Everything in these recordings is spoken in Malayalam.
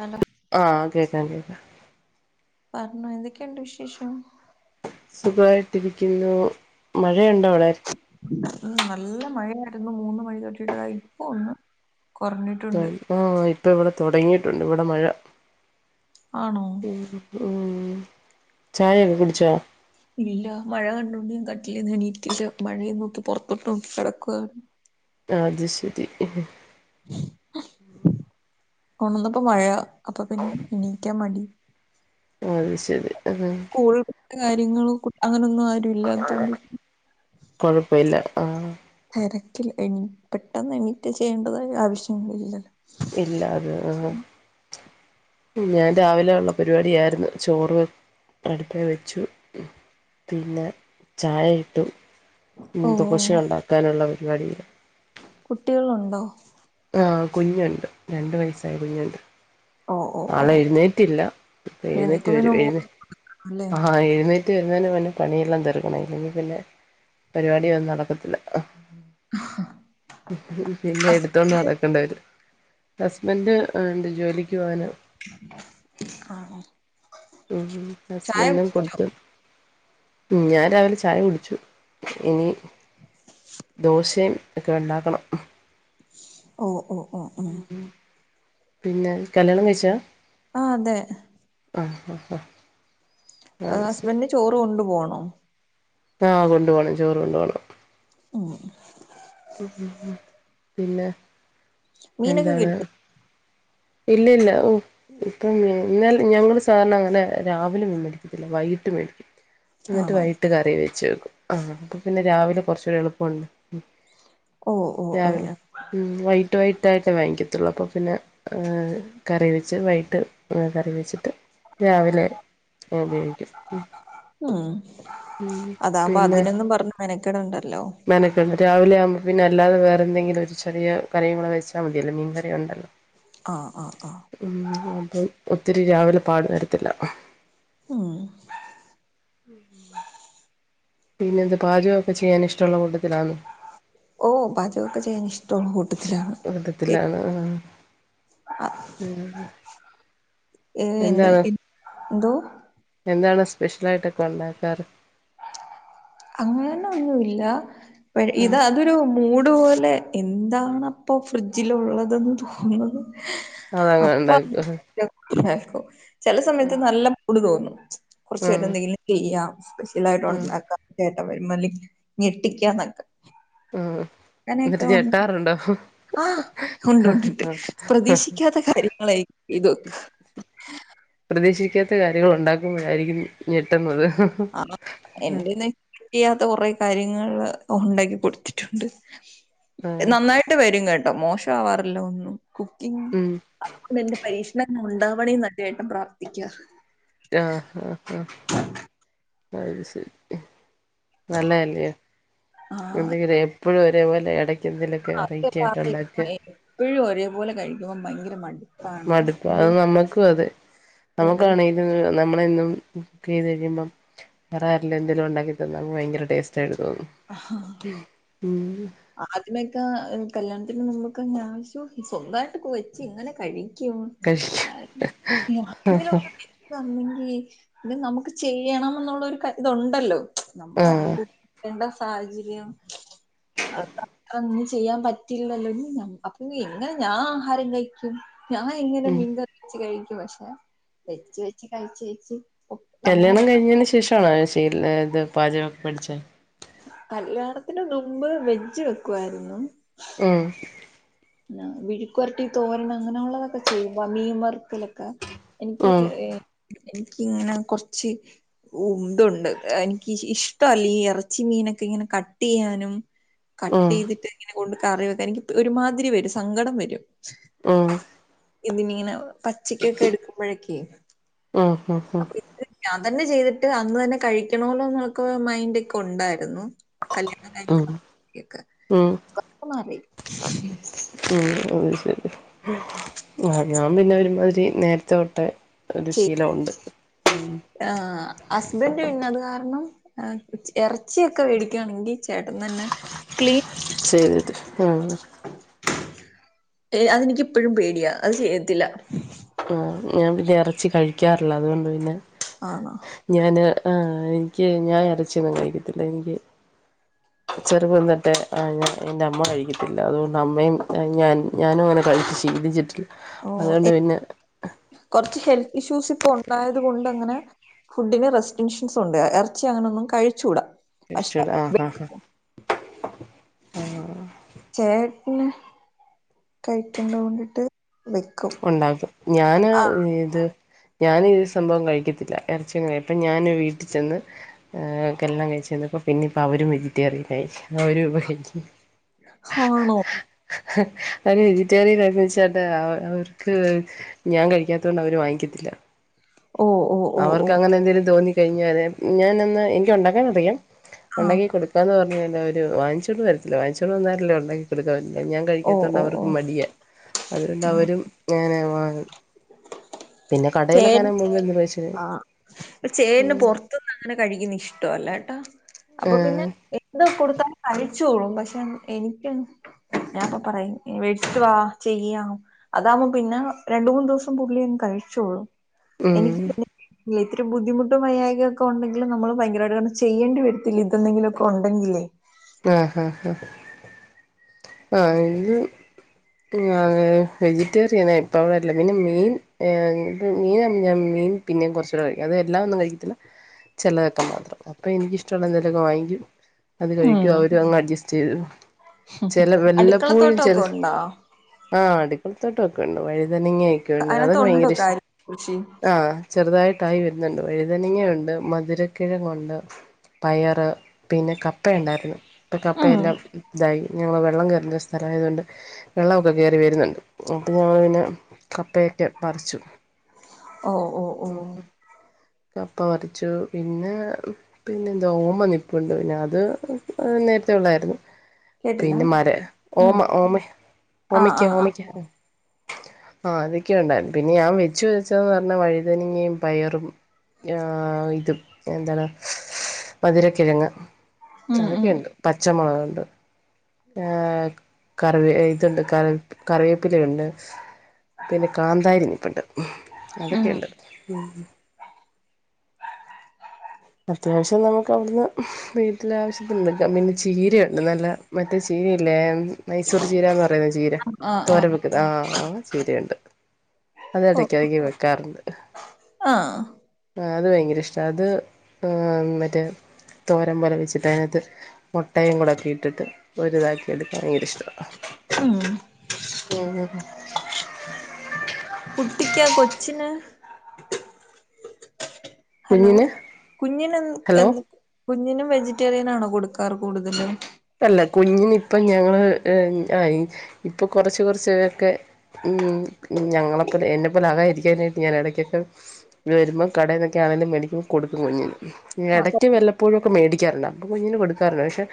ഹലോ ആഹ് കേക്കാണ്ട് പറഞ്ഞോ എന്തൊക്കെയുണ്ട് വിശേഷം സുഖായിട്ടിരിക്കുന്നു മഴയുണ്ടോ വളരെ മ് നല്ല മഴയായിരുന്നു മൂന്ന് മഴി തൊട്ടിട്ടത ഇപ്പ ഒന്ന് ആ കുറഞ്ഞിട്ടുണ്ട് ആ ആയി ഇപ്പ ഇവിടെ തുടങ്ങിയിട്ടുണ്ട് ഇവിടെ മഴ ആണോ മ് മ് ചായൊക്കെ കുടിച്ചാ ഇല്ല മഴ കണ്ടോണ്ട് കട്ടിലീട്ടില്ല മഴ നോക്കി പുൊറത്തോട്ട് കിടക്കുകാണ് അത് ശരി മ് മ് കൊണന്നപ്പോ മഴ അപ്പൾ പിന്നെ ഇണീക്കാൻ മതി അത് ശരി ആ ഇങ്ങള് [unintelligible] കൊഴപ്പമല്ല തിരക്കില് എനി പെട്ടെന്ന് എനീറ്റ് ചെയ്യേണ്ടതായ ആവശ്യംങ്ങളില്ലല്ലോ ഇല്ല അത് ആഹ് ഞാൻ രാവിലെ ഉള്ള പരിപാടിയായിരുന്നു ചോറ് അടുപ്പേ വെച്ചു പിന്നെ ചായ കിട്ടും മ് ഓ ഓ ദോശ ഉണ്ടാക്കാനുള്ള വാടിയ കുട്ടികളുണ്ടോ ആഹ് കുഞ്ഞുണ്ട് രണ്ട് വയസ്സായ കുഞ്ഞുണ്ട് ഓ ഓ ഓ ആളെ എഴുന്നേറ്റില്ല എഴുന്നേറ്റ് എഴുന്നേൽക്കുന്നതിന് വരും മുമ്പ് എഴുന്നേ കൊടുക്കണം അല്ലേ ആ എഴുന്നേറ്റ വരുന്നുംന്നെ പണിയെല്ലാം തീർക്കണം പിന്നെ പരിപാടി ഒന്നും നടക്കത്തില്ല പിന്നെ എടുത്തോണ്ട് നടക്കേണ്ട വര് ഹസ്ബൻഡ് എറെ ജോലിക്ക് [unintelligible] ന ആ ആ. ഉ ചായ ഹസ്ബൻഡും കുടി- കൊടുത്തും മ് ഞാൻ രാവിലെ ചായ കുടിച്ചു ഇനി ദോശയും ഒക്കെ ഉണ്ടാക്കണം ഓ ഓ ഓ ആ പിന്നെ കല്യാണം കഴിച്ചാ ആ അതെ ആ ഹ ഹാ ഹസ്ബന്ഡന് ചോറ് കൊണ്ടു പോണം [unintelligible] ആ കൊണ്ടു പോണം ചോറ് കൊണ്ട പോണം ഓ പിന്നെ മീനൊക്കെ എന്താണ് കിട്ടി ഇല്ല ഇല്ല ഇപ്പം ഇ ഞങ്ങള് സാധാരണ അങ്ങനെ രാവിലെ ഒന്നും മേടിക്കത്തില്ല വൈകിട്ട് മേടിക്ക എന്നിട്ട് ആണോ വൈട്ട് കറി വെച്ചകും ആഹ അപ്പൊ പിന്നെ രാവിലെ കുറച്ചൂടി എളുപ്പുണ്ട് ഓ ഓ ഓ രാവിലെ ഓ ഉ വൈട്ട് വൈട്ട് കതായിട്ടേ വാങ്ങിക്കത്തുള്ളൂ അപ്പൊ പിന്നെ ആ കറി വെച്ച് വൈകിട്ട് കറി വെച്ചിട്ട് രാവിലെ ഉപയോഗിക്കും ഉം അതാകുമ്പോ പിന്നെ അതിനൊന്നും പറഞ്ഞ് മെനക്കെടണ്ടല്ലോ മനക്ക രാവിലെ ആ പിന്നെ അല്ലാതെ വേറെ എന്തെങ്കിലും ഒരു ചെറിയ കറി ക്കൂടി വെച്ചാൽ മതിയല്ലോ മീൻ കറിണ്ടല്ലോ ആഹ് ആഹ് ആഹ് ഉ അത ഒത്തിരി രാവിലെ പാട് വരത്തില്ല ഉം ഉം ഉ പിന്നെ എന്ത് പാചകൊക്കെ ചെയ്യാൻ ഇഷ്ടള്ള ഓ പാചകം ഒക്കെ ചെയ്യാൻ ഇഷ് [inaudible] കൂട്ടത്തിലാണ് ഉ ഏ, എന്ത എന്താണ് എന്തോ എന്താണ് സ്പെഷ്യൽ ആയിട്ട് ഒക്കെ ഉണ്ടാക്കാറ് അങ്ങനന്ന ഒന്നുല്ല പ ഇത് ഉം അതൊരു മൂട് പോ അല്ലെ എന്താണ് അപ്പോ ഫ്രിഡ്ജിലുള്ളതെന്ന് തോന്നുന്നത്? അതങ്ങനെ ഇണ്ടാക്കോ? [unintelligible] ചില സമയത്ത് നല്ല മൂഡ് തോന്നും കുറച്ചു പേരടെ ഉം എന്തെങ്കിലും ചെയ്യാം സ്പെഷ്യലായിട്ട് ഉം ഉണ്ടാക്കാ ഏട്ടൻ വരുമ്പോ അല്ലെങ്കി ഞെട്ടിക്കാന്നൊക്കെ ആ അങ്ങനെയൊക്കെ ആ ഉണ്ട് ഉണ്ട്ണ്ട്ണ്ട് പ്രതീക്ഷിക്കാത്ത കാര്യങ്ങളായി ഇതൊക്ക പറ്റാത്ത കാര്യങ്ങൾ ഒണ്ടാക്കുമ്പഴായിരിക്കും ഞെട്ടുന്നത് ആ എന്റെ പിന്നെ [unintelligible] കൊറെ കാര്യങ്ങൾ ഉണ്ടാക്കി കൊടുത്തിട്ടുണ്ട് ആഹ് നന്നായിട്ട് വരും കേട്ടോ മോശം ആവാറില്ല ഒന്നും കുക്കിംഗ് ഉം അത് കൊണ്ട് എന്റെ പരീഷ് ണം ഉണ്ടാവണേന്ന ചേട്ടൻ പ്രാർത്ഥിക്കുക ആഹ് ആഹ് ആ അത് ശരി നല്ല അല്ലിയോ ആഹ് എന്തെങ്കിലും ഏ എപ്പോഴും ഒരേപോലെ എടക് [unintelligible] എപ്പഴും ഒരേപോലെ കഴിക്കുമ്പം ഭയങ്കര മടിയ മടുപ്പ് അത് നമ്മുക്ക് അതെ വെറൈ- നമ്മുക്കാണെങ്കിലും നമ്മള ഇന്നും കുക്ക് ചെയ്ത് കഴിയുമ്പം വേറെ ആരിലും എന്തെങ്കിലും ഉണ്ടാക്കി തന്നാ നമക്ക് ഭയങ്കര ടേസ്റ്റ് ആയി തോന്നും ഉം ആദ്യമെക്ക കല്യാണത്തിന് നുമ്പ് വശ്യം സൊന്താട്ടൊക്കെ വെച്ച് ഇങ്ങനെ കഴിക്കാ കഴിക്കാൻ ക്കുന്ന് ആരെങ്കിലുവൊക്ക വെച്ച് തന്നി [unintelligible] വീച്ച് ഇത് നമുക്ക് ചെയ്യണം ന്നുള്ളൊരു ക ഇതൊണ്ടല്ലോ ആഹ് നമ്മളാണിത് ക്കേണ്ട സാഹചര്യം അതാ [unintelligible] ഒന്നും ചെയ്യാൻ പറ്റില്ലല്ലോ അപ്പൊ എങ്ങനെ ഞാ ആഹാരം കഴിക്കും ഞാൻ എങ്ങനെ ഉം മീൻ കറി വെച്ചു കഴിക് ക്കും പക്ഷെ വെച്ച് വെച്ച് കഴിച്ച് കഴിച്ച് കല്യാണം കഴിഞ്ഞതിന് ശേഷം ട്ടാണ് ത് ചേരുന്നേ ഇത് പാചകം പഠിച്ചേ കല്യാണത്തിന് മുമ്പ് വെജ് വെക്കുവാരുന്നു ഉം വിഴുക്കുവരട്ടി തോരൻ അങ്ങനെയൊള്ളതൊക്കെ ചെയ്യും മീൻവർ ക്കലക്ക എനിക്ക് ഉം എ എനിക്കിങ്ങനെ കൊറച്ച് ഇതൊണ്ട് എനിക്ക് ഇഷ്ടല്ല ഈ ഇറച്ചി മീനൊക്കെ ഇങ്ങനെ കട്ട് ചെയ്യാനും കട്ട് ഉം ചെയ്തിട്ട് ഇങ്ങനെ കൊണ്ട് കറി വെക്കാ എനിക്ക് ഒരു മാതി രി വരും സങ്കടം വരും ഉം ഇന്നിനിങ്ങനെ പച്ചക്കൊക്കെ എടുക്കുമ്പഴേക്ക് [unintelligible] ഓ ഹൊ ഓ അന്ന് ചെയ്തിട്ട് അന്ന്തന്നെ കഴിക്കണല്ലോന്നൊക്കെ മൈൻഡൊക്കെയുണ്ടാരുന്നു ഉം ഉം [unintelligible] മാറി മ് അയ്ശെരി ആ ഞാൻപിന്നെ ഒരുമാതിരി നേരത്തെ തൊട്ടെ ച്ചി ആ ഹസ്ബൻഡ് പിന്നെ അതുകാരണം ആ ഉച്ച് എറച്ചിയൊക്കെ മേടിക്കാണെങ്കിൽ ചേട്ടൻ തന്നെ ക്ലീൻ മ് ഏ അതെനിക്കിപ്പഴും പേടിയാ അത് ചെയ്യത്തില്ല ആ ഞാൻ പിന്നെ എറച്ചി കഴിക്കാറില്ല അതുകൊണ്ട് പിന്നെ ആണോ ആ എനിക്ക് ഞാൻ എറച്ചിയൊന്നും കഴിക്കത്തില്ല എനിക്ക് ചെറുപ്പം തൊട്ടെ എന്റെ അമ്മ കഴിക്കത്തില്ല അതുകൊണ്ട് അമ്മയും ഞാൻ ഞാനും അങ്ങനെ കഴിച്ച് ശീലിച്ചിട്ടില്ല ഓ അതുകൊണ്ട് എൻ പിന്നെ കൊറച്ച് ഹെൽത്ത് ഇഷ്യൂസ് ഇപ്പൊ ഒണ്ടായതുകൊണ്ടങ്ങനെ ഫുഡ്ഡിന് റെസ്ട്രിക്ഷൻസ് ഉണ്ട് എറച്ചി അങ്ങനൊന്നും കഴിച്ചൂടാ പക്ഷെ കഴിച്ചൂടാ ആ ആ ആ വെക്കും. ആ ചേട്ടന് കഴിക്കണ്ടകൊണ്ടിട്ട് ഒണ്ടാക്കും ഞാന് ഇത് ഞാനീ ഈ സംഭവം കഴിക്കത്തില്ല എറച്ചീം ഇപ്പ ഞാന് വീട്ടിൽ ചെന്ന് ആ കെല്ലാം കഴിച്ചെന്നപ്പോ പിന്നെപ്പോ അവരും വെജിറ്റേറിയൻ ആയി അവരും ഇപ്പ വെജിറ്റേറി ആണോ അവര് വെജിറ്റേറിയൻ ആയിന്നുവെച്ചാ ന്താ അവ അവര് ക്ക് ഞാൻ കഴിക്കാത്തൊണ്ട് അവര് വാങ്ങിക്കത്തില്ല ഓ ഓ ഓ ഓ അവർക്ക് അങ്ങനെ എന്തെങ്കിലും തോന്നി കഴിഞ്ഞാരെ ഞാനന്ന് എനിക്ക് ഒണ്ടാക്കാനറിയാം ആഹ് ഒണ്ടാക്കികൊടുക്കാന്ന് പറഞ്ഞ് അങ്ങനെ അവര് വാങ്ങിച്ചോണ്ട് വരത്തില്ല വാങ്ങിച്ചോണ്ട് വന്നാലല്ലേ ഒണ്ടാക്കികൊടുക്കാൻ പറ്റു ഞാൻ ഓ കഴിക്കാത്തോണ്ട് ഓ ഓ അവർക്ക് മടിയാ അതുകൊണ്ട് അവരും ങ്ങ്നെ വാങ്ങും പിന്നെ കടേലെങ്ങാനും പോയെന്തെങ്കിലും കഴിച്ച് ആ ചേന് പൊറത്തുന്ന് അങ്ങനെ കഴിക്കുന്ന ഇഷ്ടവല്ല ട്ടാ അപ്പൊപിന്നെ ആഹ് എന്ത് കൊടുത്താലും കാരൃ കഴിച്ചോളും പക്ഷെ എനക്ക് ഞാൻപ്പ പറയും വേടിച്ചുവാ ചെയ്യാം അതാവകുമ്പോ പിന്നെ രണ്ട മൂന്ന് ദിവസം പുള്ളിും കഴിച്ചോളും ഉം ഇല്ല ഇത്രരി ബുദ്ധിമുട്ട് മയകയ ഒക്കെണ്ടെങ്കും നമ്മള് ഭയങ്കരമായിട്ട് കണം ചെയ്യേണ്ടി വരത്തില്ല ഇതെങ്കിലും ഒക്കെ ഉണ്ടെങ്കിലേ ആഹഹ ആ ആത് വെജിറ്റേറിയന ഇപ്പ അവിടെല്ല പിന്നെ മീൻീ മീൻ പിന്നെ കുറച്ചൂടെ കഴിക്കും അത് എല്ലാം ഒന്നും കഴിക്കത്തില്ല ചെിലതൊക്കെ മാത്രം അപ്പൊ എനിക്കിഷ്ടമുള്ള എന്തെലൊക്കെ വാങ്ങിക്കും അത് കഴിക്കും ഉം അവ അങ് അഡ്സ്റ്റ് ച ചെില വല്ലപ്പോഴും ചെില അടുക്കളത്തോട്ടമൊക്കെ ഉണ്ടോ ആ ിക്കത്തോട്ടൊക്ക ഉണ്ട് ത ഇങ്ങ ആയിക്കണ്ട് അതിനകത്ത് അതൊക്കെ ഉണ്ടോ ഭയങ്കര ഇഷ്ടം കാര്യ കൃഷി ആഹ ചെറുതായിട്ടായി വരുന്നുണ്ട് വഴുതനങ്ങുണ്ട് മധുരക്കിഴങ്ങുണ്ട് പയറ് പിന്നെ കപ്പയുണ്ടായിരുന്നു ഇപ്പ കപ്പയ ഉം എല്ലാം ഇതായി ഞങ്ങൾ വെള്ളം കറ എന്ത സ്ഥലമായതുകൊണ്ട് വെള്ളമൊക്കെ കയറി വരുന്നുണ്ട് അപ്പൊ ഞങ്ങള് പിന്നെ കപ്പേറ്റ് മറിച്ചു ഓ ഓ ഓ കപ്പ വരിച്ചു പിന്നെ പിന്നെ എന്താ ഓമ്മ നിപ്പുണ്ട് പിന്നെ അത് നേരത്തെ ഉള്ളായിരുന്നു കേട്ടില്ല പിന്നെ മര ഉം ഓമ ഓമ ആഹ് ഓമക്ക ആഹ് ഓമക്ക ആ അതൊക്കെയ ഉണ്ടായി പിന്നെ ഞാൻ വെച്ചു വച്ചന്ന് പറഞ്ഞാ വഴുതനങ്ങയും പയറും ആ ഇതും എന്താണ് മധുരക്കിഴങ്ങ് ആഹ് ഉം ഉം അതൊക്കെയ ഉണ്ട് പ പച്ചമുളകുണ്ട് കറി ഇതുണ്ട് ക കറിവേപ്പിലുണ്ട് പിന്നെ കാന്താരിനി ഇപ്പുണ്ട് ഉം അതൊക്കെയുണ്ട് അത്യാവശ്യം നമുക്ക് അവിടുന്ന് വീട്ടില ആവശ്യത്തിുണ്ടാം പിന്നെ ചീരയുണ്ട് നല്ല മറ്റേ ചീരല്ലേ മൈസൂർ ചീരന്ന് പറ ചീര ആഹ് ആഹ് തോര വെക്ക ആ് ആ് ചീരുണ്ട് അത അട കഴകി വെക്കാറണ്ട് ആഹ ആ അത് ഭയങ്കര ഇഷ്ട അത് മറ്റേ തോരം പോലെ വെച്ചിട്ടതിനകത്ത് മുട്ടയും കൂടെൊക്കെ ഇട്ടിട്ട് ഒരുരിതാക്കിയ എടുക്കാൻ ഭയങ്കര ഇഷ്ടമാണ് ഉം ഉം ഉ കുട്ടിക്കാ കൊച്ചിന് ഹലോ കുഞ്ഞിന് കുഞ്ഞൻ എന്ത് ഹലോ എന്ത് കുഞ്ഞിനും വെജിറ്റേറിയൻ ആണോ കൊടുക്കാറ് കൂടുതലും അല്ല കുഞ്ഞിന ഇപ്പം ഞങ്ങള് ഇപ്പൊ കുറച്ച് കുറച്ച്ഒക്കെ ഉ ഞങ്ങളെപ്പോലെ എന്നെ പോലെ ആകാതിരിക്കാനായിട്ട് ഞാൻ ഇടക്കൊക്കെ വരുമ്പോ കടന്നൊക്കെ ആണെങ്കിലും മേടിക്കുമ്പ കൊടുക്കും കുഞ്ഞന് ആഹ് ഇടയ്ക്ക് വല്ലപ്പോഴും മേടിക്കാറുണ്ട് അപ്പ കു ഇങ്ങനെ കൊടുക്കാറുണ്ട് പക്ഷെ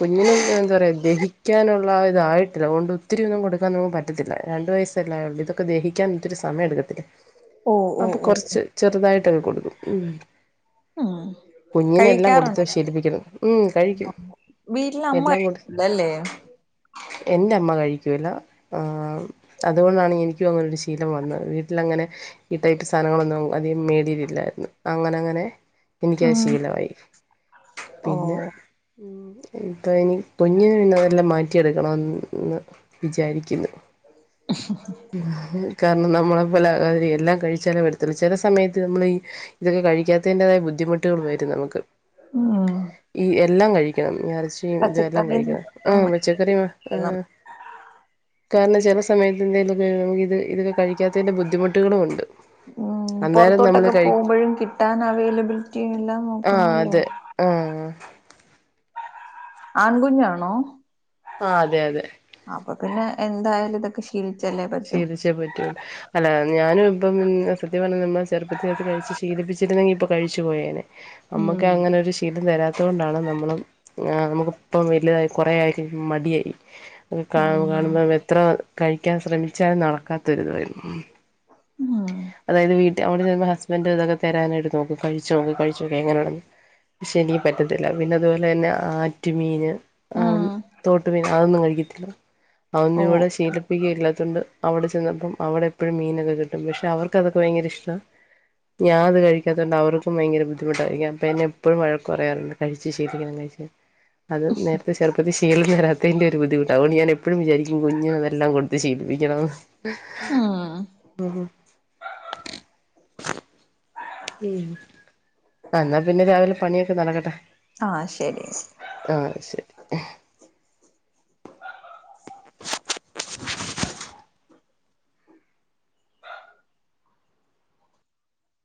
കുഞ്ഞിനും എന്താ പറയുക ദഹിക്കാനുള്ള ഇതായിട്ടില്ല അതുകൊണ്ട് ഒത്തിരി ഒന്നും കൊടുക്കാൻ നമുക്ക് പറ്റത്തില്ല രണ്ട് വയസ്സല്ലായള്ളൂ ഇതൊക്കെ ദഹിക്കാൻ ഒത്തിരി സമയം എടുക്കത്തില്ല ഓ ഓ അപ്പൊ ഓ കൊറച്ച് ചെറുതായിട്ട് ങ്ങ കൊടുക്കും ഉ ഉം കുഞ്ഞിനെ എല്ലാം കൊടുത്ത് ശീലിപ്പിക്കണം ഉം കഴിക്കും ആ വീട്ടില എല്ലാം കൊടു അമ്മല്ലേ എൻ്റെ അമ്മ കഴിക്കില്ല അതുകൊണ്ടാണ് എനിക്കും അങ്ങനെ ഒരു ശീലം വന്നത് വീട്ടില അങ്ങനെ ഈ ടൈപ്പ് സാധനങ്ങളൊന്നും അധികം മേടിയിട്ടില്ലായിരുന്നു അങ്ങനെ അങ്ങനെ എനിക്കത് ഉം ശീലമായി ഓ പിന്നെ ഉം ഇപ്പൊ ഇനി കുഞ്ഞിന പിന്നതെല്ലാം മാറ്റിയെടുക്കണന്ന് വിചാരിക്കുന്നു പിെ കാരണം നമ്മളെ പോലെ എല്ലാം കഴിച്ചാലും വരത്തില്ല ചില സമയത്ത് നമ്മൾ ഈ ഇതൊക്കെ കഴിക്കാത്തതിൻ്റെതായ ബുദ്ധിമുട്ടുകൾ വരും നമുക്ക് ഉം ഈ എല്ലാം കഴിക്കണം കച്ചിയും ഇതെല്ലാം പച്ചക്കറിയും കഴിക്കണം ആ പച്ചക്കറിയ കാരണം ചില സമയത്ത് ഇ എന്തലക്കത് ഇതൊക്കെ കഴിക്കാത്തതിന്റെ ബുദ്ധിമുട്ടുകളും ഉണ്ട് ഉ അന്നേരം നമ്മള് പുറത്തോട്ടൊക്കെ കഴി പോകുമ്പോഴും കിട്ടാൻ അവൈലബിലിറ്റി എല്ലാം ആഹ് നോക്കണല്ലോ അതെ ആഹ് ആൺകുഞ്ഞാണോ ആ അതെ അതെ അ പിന്നെ എന്തായാലും ഇതൊക്കെ ശീലിച്ചല്ലേ പറ്റൂ ശീലിച്ചേ പറ്റിയുള്ളൂ അല്ല ഞാനും ഇപ്പം സത്യം പറഞ്ഞൽ നമ്മൾ ചെറുപ്പത്തി ചേർത്ത് കഴിച്ച് ശീലിപ്പിച്ചിരുന്നെങ്കിൽ ഇപ്പൊ കഴിച്ചു പോയേനെ ഉം നമ്മുക്ക് അങ്ങനെ ഒരു ശീലം തരാത്തത് കൊണ്ടാണ് നമ്മൾ നമുക്ക് ഇപ്പം വലുത കുറെ ആയിരിക്ക മടിയായി ഉം കാണുമ്പം എത്ര കഴിക്കാൻ ശ്രമിക്ക വച്ചാലും നടക്കാത്തരുതായിരുന്നു ഉം അതായത് വീട്ട അവിടെ ചെന്ന ഹസ്ബൻഡറ് ഇതൊക്കെ തരാനായിട്ട് നോക്ക കഴിച്ചു നോ കഴിച്ചു നോക്ക എങ്ങനെയണന്ന് പക്ഷെ എനിക്ക് പറ്റത്തില്ല പിന്നെ അതുപോലെ തന്നെ ആറ്റു മീൻ ഉം തോട്ട് മീൻ അതൊന്നും കഴിക്കത്തില്ല അതൊന്നും ഓ ഇവിടെ ശീലിപ്പിക്കുകയില്ലാത്തൊണ്ട് അവിടെ ചെന്നപ്പോം അവിടെ എപ്പോഴും മീനൊക്കെ കി പക്ഷെ അവർക്ക് അതൊക്കെ ഭയങ്കര ഇഷ്ടമാണ് ഞാന അത് കഴിക്കാത്തൊണ്ട് അവർക്കും ഭയങ്കര ബുദ്ധിമുട്ടായിരിക്ക അപ്പ എന്നെ എപ്പോഴും വഴക്ക പറയാറുണ്ട് കഴിച്ച് ശീലിക്കണം കഴി അത് നേരത്തെ ചെറുപ്പത്തി ശീലം തരാത്തതിന്റെ ഒരു ബുദ്ധിമുട്ടുകണ്ട് ഞാൻ എപ്പോഴും വിചാരിക്കും കുഞ്ഞിന അതെല്ലാം കൊടുത്ത് ശീലിപ്പിക്കണംന്ന് ഉം ഓഹ എന്നാ പിന്നെ രാവിലെ പണിയൊക്കെ നടക്കട്ടെ ആഹ ശരി ആ ശരി [unintelligible]